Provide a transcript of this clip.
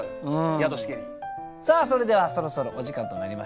「宿しけり」。さあそれではそろそろお時間となりました。